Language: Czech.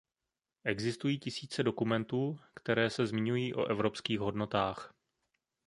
Existují tisíce dokumentů, které se zmiňují o evropských hodnotách.